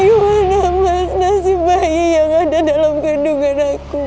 mas gimana mas nasib bayi yang ada dalam gandungan aku mas